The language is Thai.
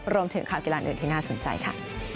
รวมถึงข่าวกีฬาอื่นที่น่าสนใจค่ะ